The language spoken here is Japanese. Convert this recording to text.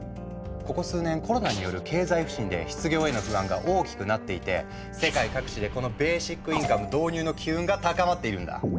ここ数年コロナによる経済不振で失業への不安が大きくなっていて世界各地でこのベーシックインカム導入の機運が高まっているんだ。